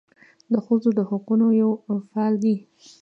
د ښځو د حقونو یوې فعالې